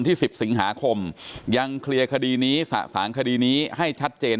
ที่๑๐สิงหาคมยังเคลียร์คดีนี้สะสางคดีนี้ให้ชัดเจน